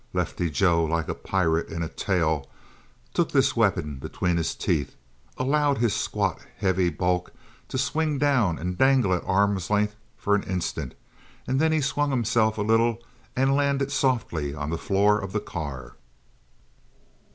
Lefty Joe, like a pirate in a tale, took this weapon between his teeth; allowed his squat, heavy bulk to swing down and dangle at arm's length for an instant, and then he swung himself a little and landed softly on the floor of the car.